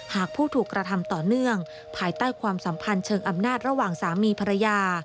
หากผู้ถูกกระทำต่อเนื่องภายใต้ความสัมพันธ์เชิงอำนาจระหว่างสามีภรรยา